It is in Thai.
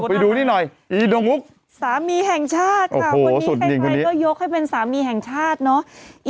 ไปดูนี่หน่อยอีโดมุกสามีแห่งชาติค่ะคนนี้ใครก็ยกให้เป็นสามีแห่งชาติเนอะ